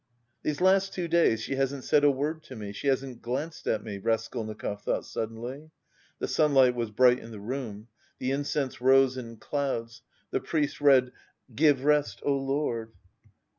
"These last two days she hasn't said a word to me, she hasn't glanced at me," Raskolnikov thought suddenly. The sunlight was bright in the room; the incense rose in clouds; the priest read, "Give rest, oh Lord...."